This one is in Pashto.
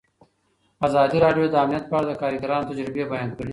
ازادي راډیو د امنیت په اړه د کارګرانو تجربې بیان کړي.